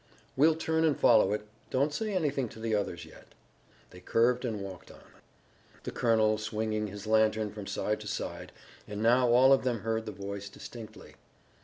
"We'll turn and follow it. Don't say anything to the others yet." They curved and walked on, the colonel swinging his lantern from side to side, and now all of them heard the voice distinctly.